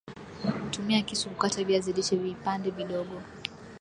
Tumia kisu kukata viazi lishe viapande vidogo